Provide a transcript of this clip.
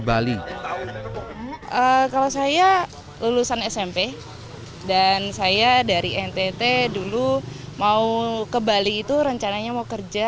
bali kalau saya lulusan smp dan saya dari ntt dulu mau ke bali itu rencananya mau kerja